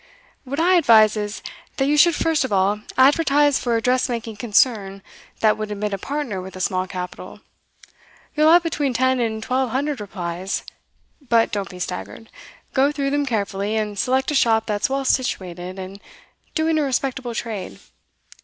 What I advise is, that you should first of all advertise for a dress making concern that would admit a partner with a small capital. You'll have between ten and twelve hundred replies, but don't be staggered; go through them carefully, and select a shop that's well situated, and doing a respectable trade.